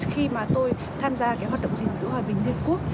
khi mà tôi tham gia cái hoạt động chiến giữa hòa bình liên hợp quốc